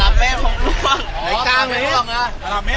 วันนี้เราจะมาจอดรถที่แรงละเห็นเป็น